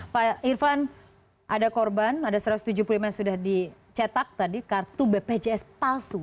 pak irfan ada korban ada satu ratus tujuh puluh lima yang sudah dicetak tadi kartu bpjs palsu